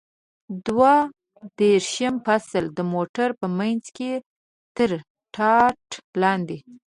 دوه دېرشم فصل: د موټر په منځ کې تر ټاټ لاندې.